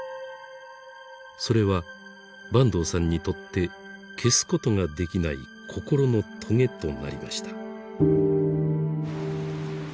それは坂東さんにとって消すことができない心のとげとなりました。